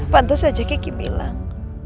pantes aja kiki bilang